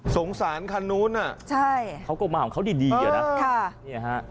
สงสารคันนู้นอ่ะเขาก็มาของเขาดีเหรอนะ